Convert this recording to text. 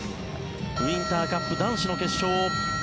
ウインターカップ男子の決勝。